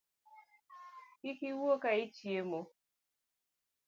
Kik iwuo ka ichiemo